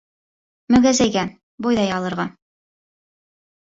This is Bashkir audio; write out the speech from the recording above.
— Мөгәзәйгә, бойҙай алырға.